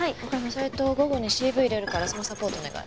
それと午後にＣＶ入れるからそのサポートお願い。